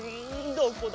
どこだ？